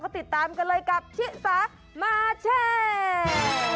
ติดตามกันเลยกับชิสามาแชร์